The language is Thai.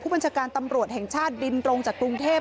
บัญชาการตำรวจแห่งชาติบินตรงจากกรุงเทพ